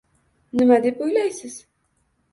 Nima deb o‘ylaysiz?